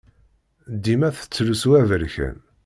Dima tettlusu aberkan.